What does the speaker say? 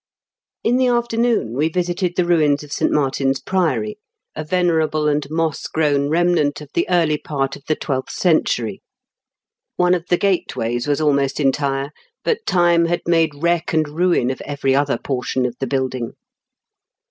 In the afternoon we visited the ruins of St, Martin's Priory, a venerable and moss grown remnant of the early part of the twelfth EUmS OF ST: MABTIN'8 PBIOBY. 207 century. One of the gateways was almost entire, but time had made wreck and ruin of every other portion of the building.